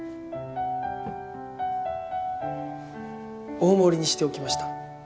大盛りにしておきました。